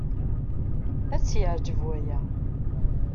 Ad tt-yeɛjeb waya.